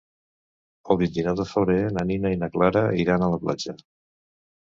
El vint-i-nou de febrer na Nina i na Clara iran a la platja.